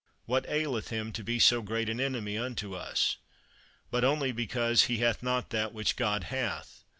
What aileth him to be so great an enemy unto us? but only because he hath not that which God hath.